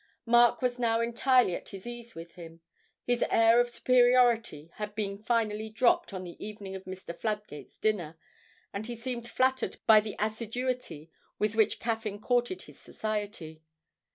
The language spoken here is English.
Mark was now entirely at his ease with him. His air of superiority had been finally dropped on the evening of Mr. Fladgate's dinner, and he seemed flattered by the assiduity with which Caffyn courted his society.